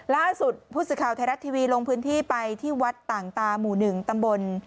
ล่าสุดผู้สื่อข่าวไทยรัฐทีวีลงพื้นที่ไปที่วัดต่างตาหมู่๑ตำบล